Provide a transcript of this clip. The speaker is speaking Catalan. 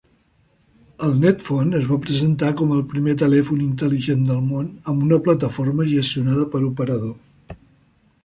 El Netphone es va presentar com el primer telèfon intel·ligent del món amb una plataforma gestionada per operador.